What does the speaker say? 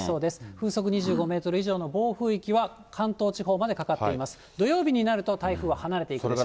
風速２５メートル以上の暴風域は、関東地方までかかってきそうです。